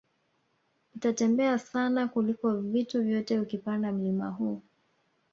Utatembea sana kliko vitu vyote ukipanda mlima huu